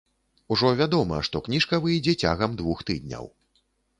Ужо вядома, што кніжка выйдзе цягам двух тыдняў.